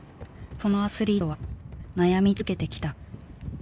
そのアスリートは悩み続けてきた。